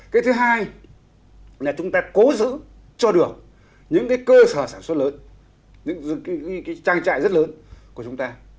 cái thứ hai là chúng ta cố giữ cho được những cái cơ sở sản xuất lớn những trang trại rất lớn của chúng ta